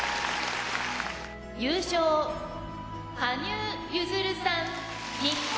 「優勝羽生結弦さん日本」。